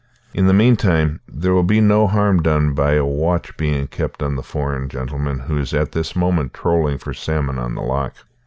In the meantime there will be no harm done by a watch being kept on the foreign gentleman who is at this moment trolling for salmon on the loch."